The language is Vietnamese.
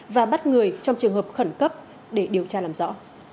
và bắt người trong trường hợp khẩn cấp để điều tra làm rõ